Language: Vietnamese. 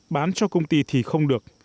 bán cho công ty thì không được